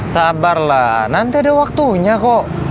sabarlah nanti ada waktunya kok